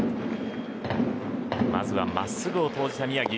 まずは真っすぐを投じた宮城。